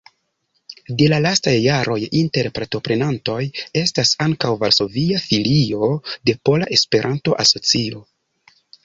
De la lastaj jaroj inter partoprenantoj estas ankaŭ varsovia filio de Pola Esperanto-Asocio.